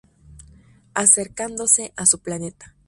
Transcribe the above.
acercándose a su planeta